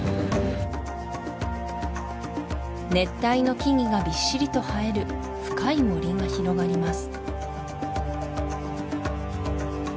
熱帯の木々がびっしりと生える深い森が広がります